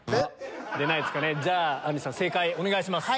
じゃああんりさん正解お願いします。